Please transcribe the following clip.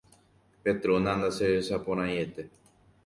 Petrona ndacherechaporãiete